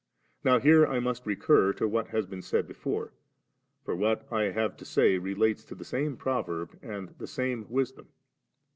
Now here I must recur to what has been said before, for what I have to say relates to the same proverb and the same Wis dom.